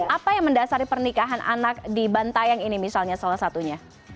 apa yang mendasari pernikahan anak di bantayang ini misalnya salah satunya